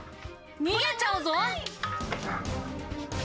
逃げちゃうぞ。